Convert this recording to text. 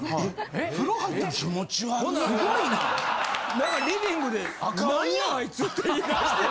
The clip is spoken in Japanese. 何かリビングで「なんやアイツ！」って言い出して。